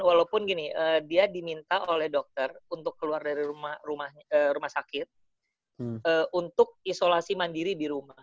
walaupun gini dia diminta oleh dokter untuk keluar dari rumah sakit untuk isolasi mandiri di rumah